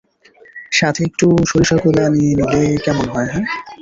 সাথে একটু সরিষাগোলা নিয়ে নিলে কেমন হয়, হ্যাঁ?